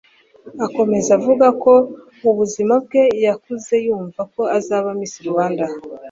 Akomeza avuga ko mu buzima bwe yakuze yumva ko azaba Miss Rwanda